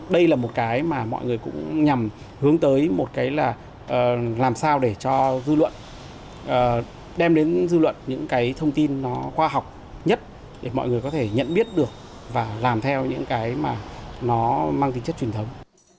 đây là một cái mà mọi người cũng nhằm hướng tới một cái là làm sao để cho dư luận đem đến dư luận những cái thông tin nó khoa học nhất để mọi người có thể nhận biết được và làm theo những cái mà nó mang tính chất truyền thống